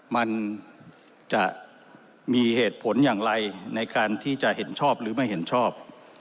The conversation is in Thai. มันจะมีเหตุผลอย่างไรในการที่จะเห็นชอบหรือไม่เห็นชอบ